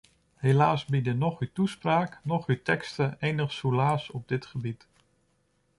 Helaas bieden noch uw toespraak, noch uw teksten enig soelaas op dit gebied.